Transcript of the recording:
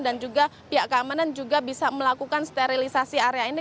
dan juga pihak keamanan juga bisa melakukan sterilisasi area ini